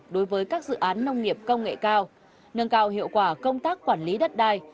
đối với các dự án nông nghiệp công nghệ cao nâng cao hiệu quả công tác quản lý đất đai